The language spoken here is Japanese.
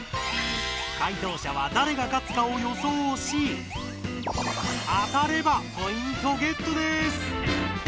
解答者はだれが勝つかを予想しあたればポイントゲットです！